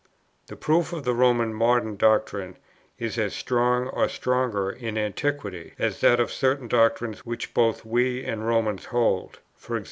The proof of the Roman (modern) doctrine is as strong (or stronger) in Antiquity, as that of certain doctrines which both we and Romans hold: e.g.